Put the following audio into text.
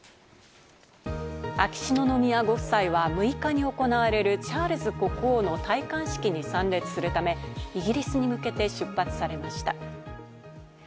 秋篠宮ご夫妻は６日に行われるチャールズ国王の戴冠式に参列するため、イギリスに向けて出発されました。